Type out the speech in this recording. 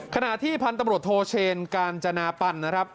ขณะที่พันธุ์ตำรวจโทรเชนการจนาปัด